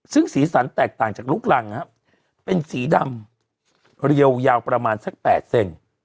ซึ่งสีสันแตกต่างจากลูกรังครับเป็นสีดำเรียวยาวประมาณสัก๘เซน